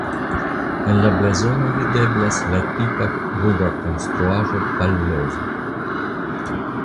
En la blazono videblas la tipa rura konstruaĵo "palloza".